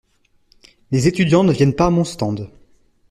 Les étudiants ne viennent pas à mon stand.